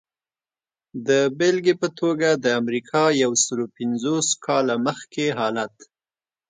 د بېلګې په توګه د امریکا یو سلو پنځوس کاله مخکې حالت.